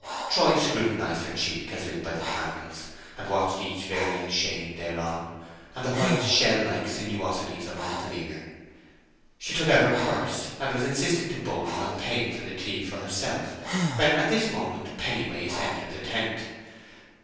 Troy scrutinized her cheek as lit by the candles, and watched each varying shade thereon, and the white shell like sinuosities of her little ear. She took out her purse and was insisting to Boldwood on paying for her tea for herself, when at this moment Pennyways entered the tent.